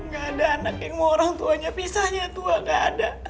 gak ada anak yang mau orang tuanya pisahnya tua gak ada